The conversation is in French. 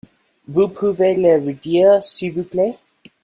Vous pouvez le redire s’il vous plait ?